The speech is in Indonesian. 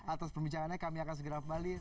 atas perbincangannya kami akan segera kembali